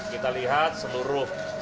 kita lihat seluruh santri